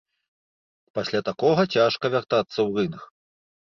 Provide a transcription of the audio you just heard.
Пасля такога цяжка вяртацца ў рынг.